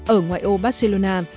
ở ngoài ô barcelona